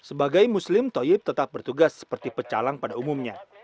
sebagai muslim toyib tetap bertugas seperti pecalang pada umumnya